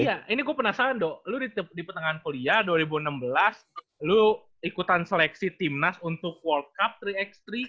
iya ini gue penasaran dong lu di pertengahan kuliah dua ribu enam belas lo ikutan seleksi timnas untuk world cup tiga x tiga